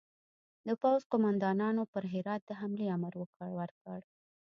د پوځ قوماندانانو پر هرات د حملې امر ورکړ.